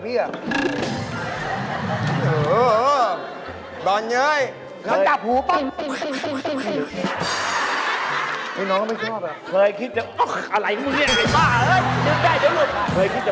เคยคิดจะมีแบงก์สูงพายุไปจ๊ะ